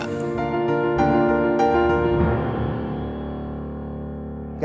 ntar gue bantu ya